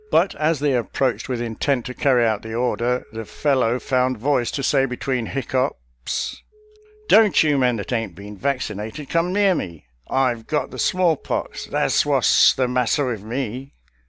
But as they approached with intent to carry out the order, the fellow found voice to say between hiccoughs, " Don't you men that ain't been vaccinated come near me — I've got the smallpox — tha's wha's the masser with me."